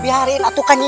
biarin aku kan jiro